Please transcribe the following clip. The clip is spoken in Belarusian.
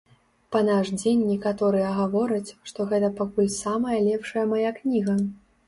Па наш дзень некаторыя гавораць, што гэта пакуль самая лепшая мая кніга.